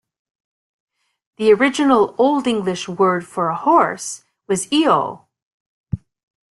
The original Old English word for a horse was "eoh".